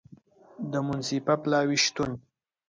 د منصفه پلاوي شتون